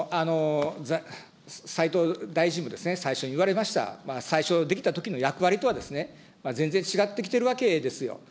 もう斉藤大臣もですね、最初に言われました、最初出来たときの役割とはですね、全然違ってきているわけですよ。